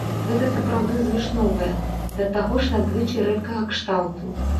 Гэта сапраўды звышновая, да таго ж надзвычай рэдкага кшталту.